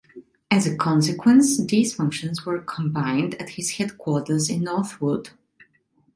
As a consequence these functions were combined at his Headquarters in Northwood.